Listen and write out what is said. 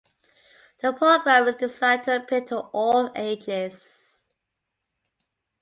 The program is designed to appeal to all ages.